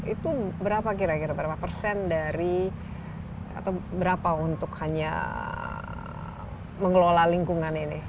itu berapa kira kira berapa persen dari atau berapa untuk hanya mengelola lingkungan ini